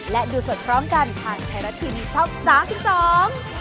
และดูสดพร้อมกันทางไทยรัฐทีวีช่องสามสิบสอง